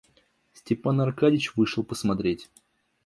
Степан Аркадьич вышел посмотреть.